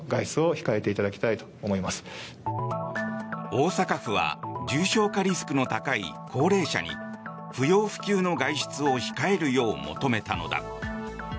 大阪府は重症化リスクの高い高齢者に不要不急の外出を控えるよう求めたのだ。